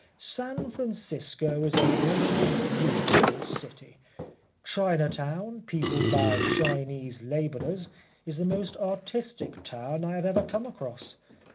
San Francisco is a really beautiful city. China Town, peopled by Chinese labourers, is the most artistic town I have ever come across.